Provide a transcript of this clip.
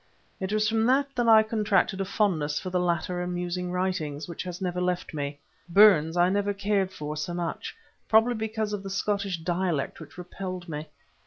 It was from that I contracted a fondness for the latter amusing writings, which has never left me. Burns I never cared for so much, probably because of the Scottish dialect which repelled me.